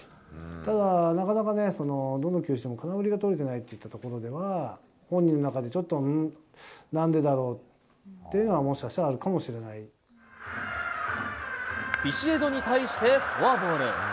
ただ、なかなかね、どの球種でも空振りが取れてないっていうところでは、本人の中で、うん？なんでだろうというのがもしかしビシエドに対してフォアボール。